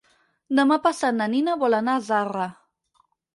Demà passat na Nina vol anar a Zarra.